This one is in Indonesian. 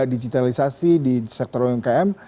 digitalisasi di sektor umkm